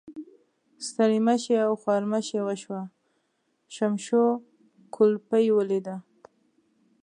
ستړي مشي او خوارمشي وشوه، شمشو کولپۍ ولیده.